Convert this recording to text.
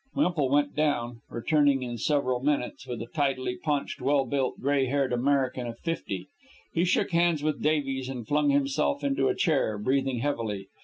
Wemple went down, returning in several minutes with a tidily paunched, well built, gray haired American of fifty. He shook hands with Davies and flung himself into a chair, breathing heavily.